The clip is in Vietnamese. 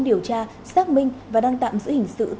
điều tra xác minh và đang tạm giữ hình sự